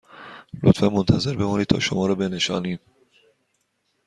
لطفاً منتظر بمانید تا شما را بنشانیم